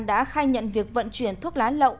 đã khai nhận việc vận chuyển thuốc lá lậu